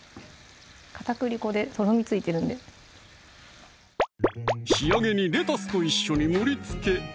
片栗粉でとろみついてるんで仕上げにレタスと一緒に盛りつけ！